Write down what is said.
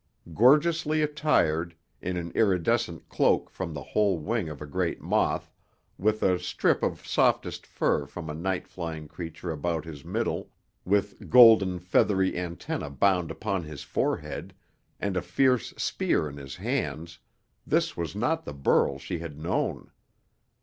Gorgeously attired, in an iridescent cloak from the whole wing of a great moth, with a strip of softest fur from a night flying creature about his middle, with golden, feathery antennae bound upon his forehead, and a fierce spear in his hands this was not the Burl she had known.